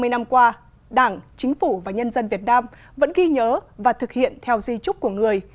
hai mươi năm qua đảng chính phủ và nhân dân việt nam vẫn ghi nhớ và thực hiện theo di trúc của người